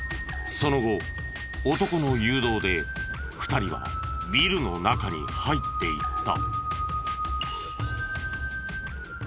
その後男の誘導で２人はビルの中に入っていった。